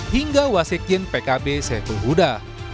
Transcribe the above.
hingga wasikjen pkb saiful huda